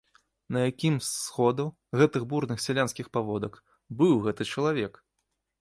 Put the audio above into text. На якім з сходаў, гэтых бурных сялянскіх паводак, быў гэты чалавек?